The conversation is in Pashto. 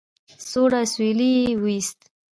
سوړ اسويلی يې ويست.